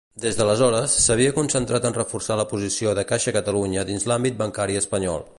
Des d'aleshores, s'havia concentrat en reforçar la posició de Caixa Catalunya dins l'àmbit bancari espanyol.